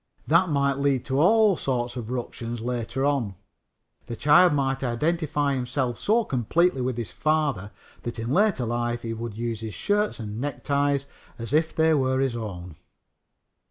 That might lead to all sorts of ructions later on. The child might identify himself so completely with his father that in later life he would use his shirts and neckties as if they were his own.